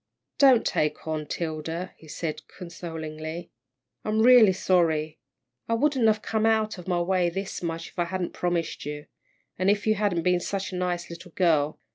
"Don't take on, 'Tilda," he said, consolingly. "I'm real sorry. I wouldn't have come out of my way this much if I hadn't promised you, and if you hadn't been such a nice little girl.